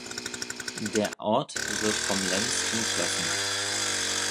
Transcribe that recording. Der Ort wird vom Lens umflossen.